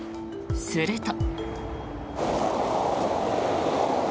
すると。